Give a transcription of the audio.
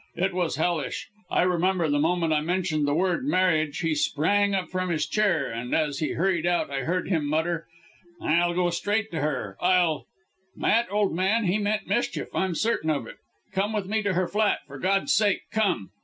It was hellish. I remember the moment I mentioned the word marriage he sprang up from his chair, and as he hurried out, I heard him mutter, 'I'll go to her straight I'll ' Matt, old man, he meant mischief. I'm certain of it. Come with me to her flat for God's sake COME."